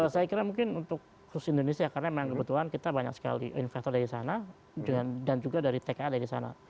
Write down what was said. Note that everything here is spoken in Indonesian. saya kira mungkin untuk khusus indonesia karena memang kebetulan kita banyak sekali investor dari sana dan juga dari tka dari sana